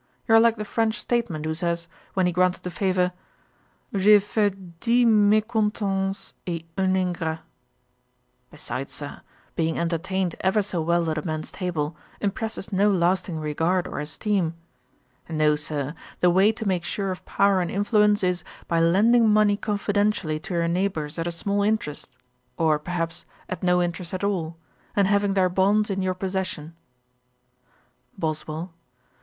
You are like the French statesman, who said, when he granted a favour, 'J' ai fait dix mecontents et un ingrat.' Besides, Sir, being entertained ever so well at a man's table, impresses no lasting regard or esteem. No, Sir, the way to make sure of power and influence is, by lending money confidentially to your neighbours at a small interest, or, perhaps, at no interest at all, and having their bonds in your possession.' BOSWELL.